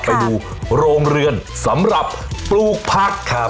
ไปดูโรงเรือนสำหรับปลูกผักครับ